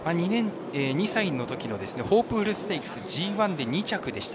２歳のときのホープフルステークスＧＩで２着でした。